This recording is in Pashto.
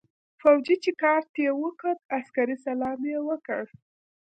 فوجي چې کارت ته وکوت عسکري سلام يې وکړ.